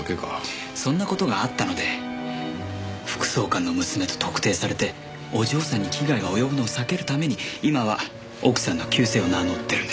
そんな事があったので副総監の娘と特定されてお嬢さんに危害が及ぶのを避けるために今は奥さんの旧姓を名乗ってるんです。